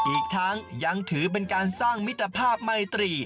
อีกทั้งยังถือเป็นการสร้างมิตรภาพไมตรี